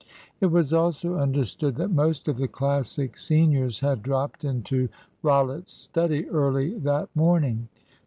It was also understood that most of the Classic seniors had dropped into Rollitt's study early that morning.